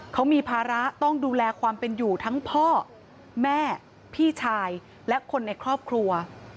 เขามีภาระต้องดูแลความเป็นอยู่ทั้งพ่อแม่พี่ชายและคนในครอบครัว